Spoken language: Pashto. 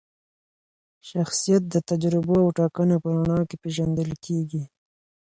شخصیت د تجربو او ټاکنو په رڼا کي پیژندل کیږي.